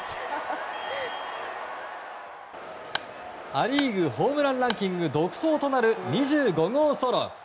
ア・リーグホームランランキング独走となる２５号ソロ。